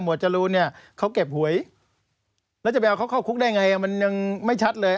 จรูนเนี่ยเขาเก็บหวยแล้วจะไปเอาเขาเข้าคุกได้ไงมันยังไม่ชัดเลย